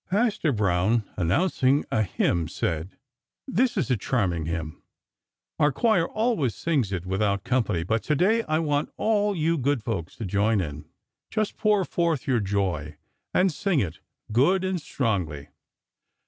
Pastor Brown, announcing a hymn, said: "This is a charming hymn. Our choir always sings it without company; but today, I want all you good folks to join in. Just pour forth your joy and sing it, good and strongly."